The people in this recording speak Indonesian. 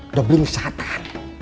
sudah beringsah tekan